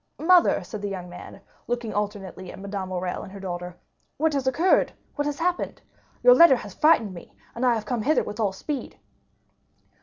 "Mother," said the young man, looking alternately at Madame Morrel and her daughter, "what has occurred—what has happened? Your letter has frightened me, and I have come hither with all speed."